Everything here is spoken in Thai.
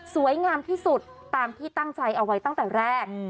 งามที่สุดตามที่ตั้งใจเอาไว้ตั้งแต่แรก